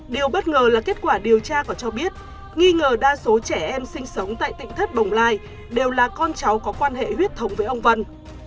điều bất ngờ là kết quả điều tra còn cho biết nghi ngờ đa số trẻ em sinh sống tại tỉnh thất bồng lai đều là con cháu có quan hệ huyết thống với ông vân